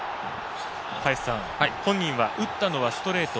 本人は打ったのはストレート。